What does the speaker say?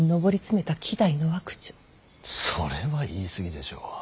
それは言い過ぎでしょう。